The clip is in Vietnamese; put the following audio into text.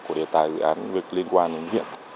của đề tài dự án việc liên quan đến viện